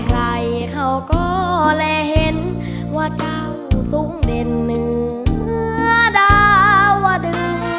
ใครเขาก็และเห็นว่าเก้าทุกเด็นหนึ่อดาวอดุ